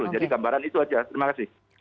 jadi gambaran itu saja terima kasih